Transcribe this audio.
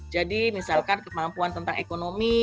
jadi misalkan kemampuan tentang ekonomi